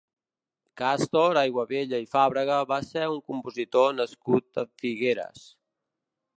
Càstor Aiguabella i Fàbrega va ser un compositor nascut a Figueres.